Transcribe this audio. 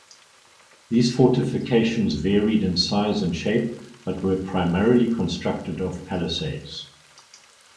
These fortifications varied in size and shape but were primarily constructed of palisades.